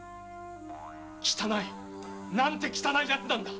汚いなんて汚い奴なんだ！